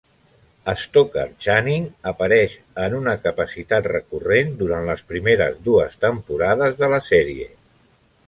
Stockard Channing apareix en una capacitat recurrent durant les primeres dues temporades de la sèrie.